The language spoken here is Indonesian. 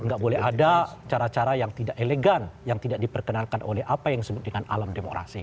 nggak boleh ada cara cara yang tidak elegan yang tidak diperkenalkan oleh apa yang disebut dengan alam demokrasi